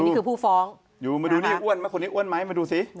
อยู่อยู่มาดูนี่อ้วนไหมคนนี้อ้วนไหมมาดูสิ